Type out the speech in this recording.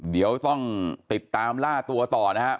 เดี๋ยวต้องติดตามล่าตัวต่อนะครับ